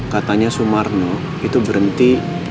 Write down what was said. katanya sumarno itu berhenti